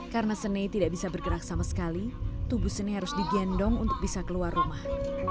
karena sene tidak bisa bergerak sama sekali tubuh sene harus digendong untuk bisa keluar rumah